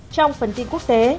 trong phần tin quốc tế